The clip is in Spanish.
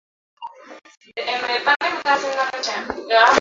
Ha trabajado extensamente en la flora de la India.